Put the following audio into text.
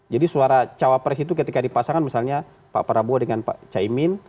jadi suara cawapres itu ketika dipasangkan misalnya pak prabowo dengan pak caimin